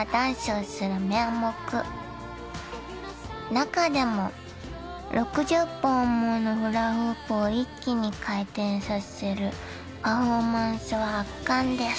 ［中でも６０本ものフラフープを一気に回転させるパフォーマンスは圧巻です！］